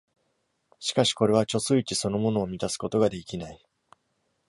しかし、これは貯水池そのものを満たすことができない。